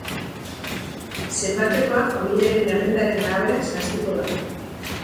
Zenbatekoa familiaren errentaren arabera zehaztuko da.